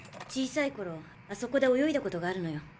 小さいころあそこで泳いだことがあるのよ。